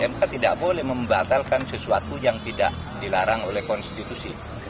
mk tidak boleh membatalkan sesuatu yang tidak dilarang oleh konstitusi